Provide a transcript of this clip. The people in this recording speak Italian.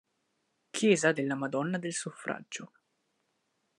Chiesa della Madonna del Suffragio